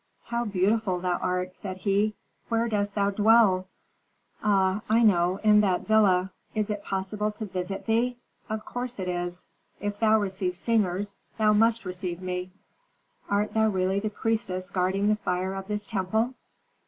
"How beautiful thou art," said he. "Where dost thou dwell? Ah, I know; in that villa. Is it possible to visit thee? Of course it is. If thou receive singers, thou must receive me. Art thou really the priestess guarding the fire of this temple?"